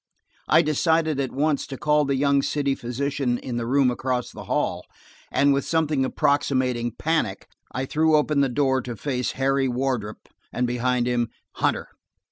I decided at once to call the young city physician in the room across the hall, and with something approximating panic, I threw open the door–to face Harry Wardrop, and behind him, Hunter.